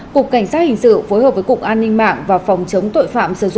cục cảnh sát hình sự phối hợp với cục an ninh mạng và phòng chống tội phạm